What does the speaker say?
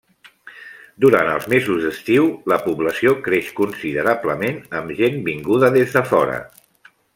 Durant els mesos d'estiu la població creix considerablement, amb gent vinguda des de fora.